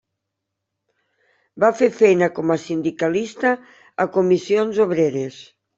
Va fer feina com a sindicalista a Comissions Obreres.